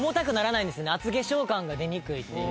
厚化粧感が出にくいっていう。